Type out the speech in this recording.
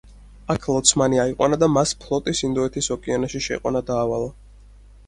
აქ ლოცმანი აიყვანა და მას ფლოტის ინდოეთის ოკეანეში შეყვანა დაავალა.